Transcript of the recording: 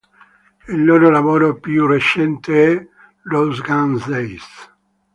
Il loro lavoro più recente è "Rose Guns Days".